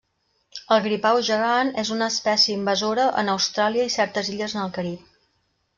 El gripau gegant és una espècia invasora en Austràlia i certes illes en el Carib.